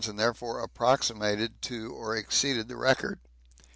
and therefore approximated to or exceeded the record.